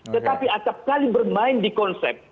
tetapi setiap kali bermain di konsep